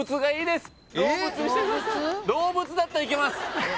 動物だったらいけます。